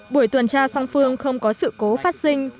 buổi tuần tra song phương không có sự cố phát sinh